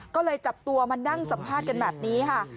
ก็เลยจับตัวมานั่งสัมภาษณ์กันแบบนี้ค่ะ